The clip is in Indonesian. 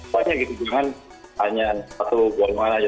soalnya gitu jangan hanya satu bawaan bawaan saja